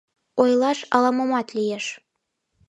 — Ойлаш ала-момат лиеш.